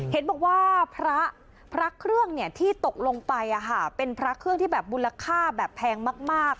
เห็นบอกว่าพระพระเครื่องเนี่ยที่ตกลงไปอ่ะฮะเป็นพระเครื่องที่แบบบูรค่าแบบแพงมากมาก